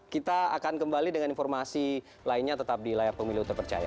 kita akan kembali dengan informasi lainnya tetap di layar pemilu terpercaya